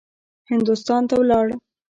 هندوستان ته ولاړ.